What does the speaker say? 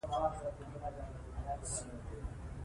تاسو هم فرصتونه لټوئ.